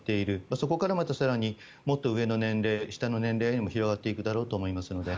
そこからまた更にもっと上の年齢下の年齢にも広がっていくと思いますので。